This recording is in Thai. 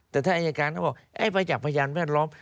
แต่ถ้าอาจารย์การเขาบอกไปจากพยานแวดล้อม